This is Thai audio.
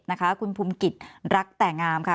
นะคะคุณภูมิกิจรักแต่งามค่ะ